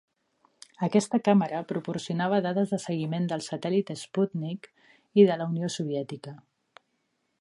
Aquesta càmera proporcionava dades de seguiment del satèl·lit Sputnik I de la Unió Soviètica.